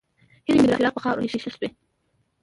هیلې مې د فراق په خاوره کې ښخې شوې.